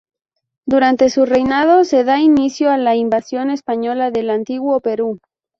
Durante su reinado se da inicio a la invasión española del antiguo Perú.